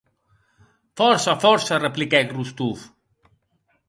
Fòrça, fòrça, repliquèc Rostov.